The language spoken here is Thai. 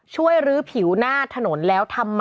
ช่วยรื้อผิวหน้าถนนแล้วทำใหม่